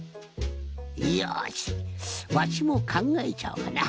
よしわしもかんがえちゃおうかな。